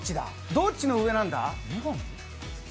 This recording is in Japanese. どっちの上なんだ？